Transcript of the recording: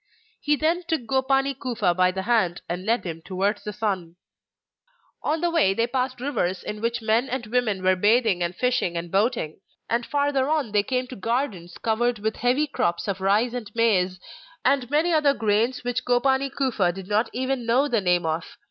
He then took Gopani Kufa by the hand and led him towards the town. On the way they passed rivers in which men and women were bathing and fishing and boating; and farther on they came to gardens covered with heavy crops of rice and maize, and many other grains which Gopani Kufa did not even know the name of.